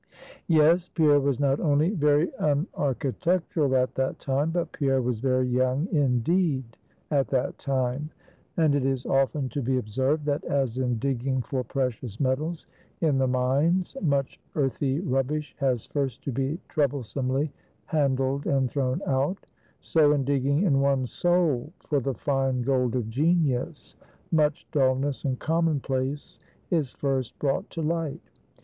Yes; Pierre was not only very unarchitectural at that time, but Pierre was very young, indeed, at that time. And it is often to be observed, that as in digging for precious metals in the mines, much earthy rubbish has first to be troublesomely handled and thrown out; so, in digging in one's soul for the fine gold of genius, much dullness and common place is first brought to light.